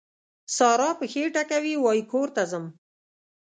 سارا پښې ټکوي؛ وای کور ته ځم.